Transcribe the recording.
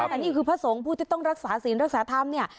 แต่นี่คือพระสงฆ์ผู้ที่ต้องรักษาศีลรักษาธรรมเนี่ย